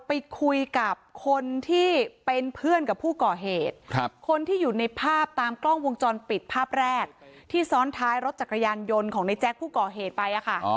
ไปคุยกับคนที่เป็นเพื่อนกับผู้ก่อเหตุคนที่อยู่ในภาพตามกล้องวงจรปิดภาพแรกที่ซ้อนท้ายรถจักรยานยนต์ของในแจ๊คผู้ก่อเหตุไปค่ะ